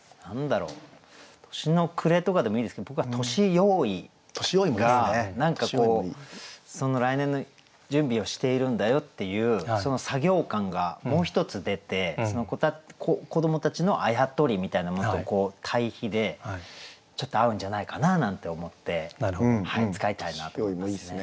「年の暮」とかでもいいですけど僕は「年用意」が何かこう来年の準備をしているんだよっていうその作業感がもう一つ出てその子どもたちのあやとりみたいなものと対比でちょっと合うんじゃないかななんて思って使いたいなと思いますね。